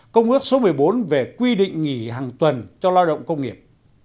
công ước số một mươi bốn về quy định nghỉ hàng tuần cho lao động công nghiệp